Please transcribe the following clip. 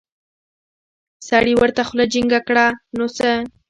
سړي ورته خوله جينګه کړه نو څه.